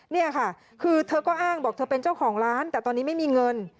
นี่ค่ะคือเธอก็อ้างบอกเธอเป็นเจ้าของร้านแต่ตอนนี้ไม่มีเงิน